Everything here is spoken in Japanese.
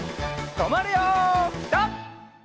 とまるよピタ！